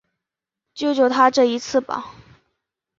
救救他这一次吧